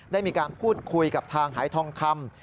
ได้มีการพูดคุยกับทางหายทองคำ